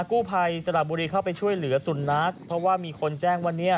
กู้ภัยสระบุรีเข้าไปช่วยเหลือสุนัขเพราะว่ามีคนแจ้งว่าเนี่ย